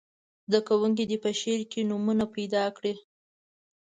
زده کوونکي دې په شعر کې نومونه پیداکړي.